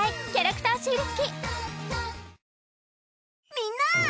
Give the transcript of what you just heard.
みんな！